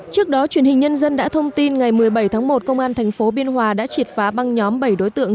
trước đó truyền hình nhân dân đã thông tin ngày một mươi bảy tháng một công an tp biên hòa đã triệt phá băng nhóm bảy đối tượng